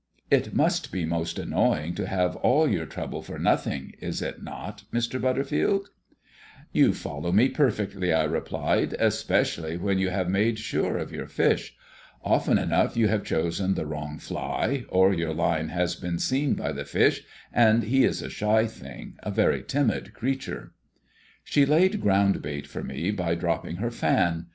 "It must be most annoying to have all your trouble for nothing, is it not, Mr. Butterfield?" "You follow me perfectly," I replied, "especially when you have made sure of your fish. Often enough you have chosen the wrong fly, or your line has been seen by the fish; and he is a shy thing, a very timid creature." She laid groundbait for me by dropping her fan.